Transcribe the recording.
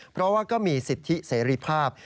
เพราะว่าก็มีสิทธิเสรีภาพ